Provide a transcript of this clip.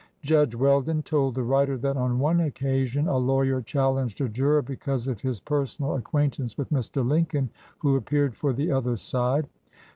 Judge Weldon told the writer that on one occasion a lawyer challenged a juror because of his personal ac quaintance with Mr. Lincoln, who appeared for the other side.